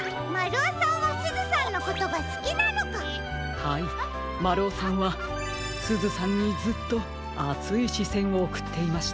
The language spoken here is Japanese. はいまるおさんはすずさんにずっとあついしせんをおくっていました。